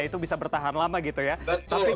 itu bisa bertahan lama gitu ya